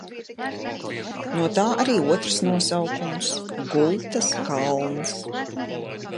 "No tā arī otrs nosaukums "Gultas kalns"."